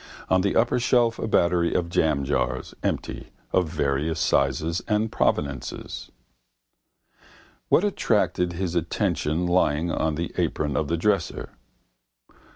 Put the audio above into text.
On the upper shelf a battery of jamjars (empty) of various sizes and proveniences. What attracted his attention lying on the apron of the dresser?